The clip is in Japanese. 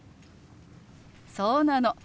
そうなの。